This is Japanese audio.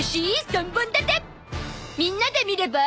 みんなで見れば？